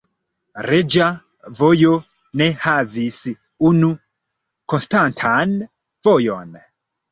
Reĝa Vojo ne havis unu konstantan vojon.